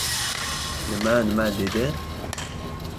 — Nima-nima? — dedi.